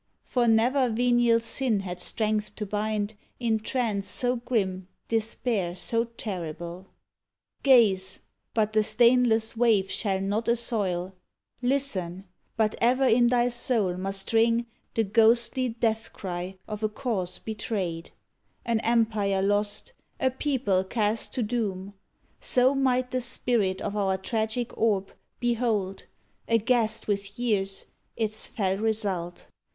For never venial sin had strength to bind In trance so grim despair so terrible. 105 REMORSE Gaze I but the stainless wave shall not assoil ! Listen ! but ever in thy soul must ring The ghostly death cry of a Cause betrayed, — An empire lost, a people cast to doom! So might the Spirit of our tragic orb Behold, aghast with years, its fell result.